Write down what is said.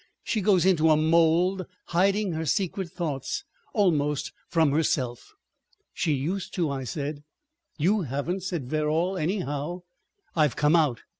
She goes into a mold hiding her secret thoughts almost from herself." "She used to," I said. "You haven't," said Verrall, "anyhow." "I've come out.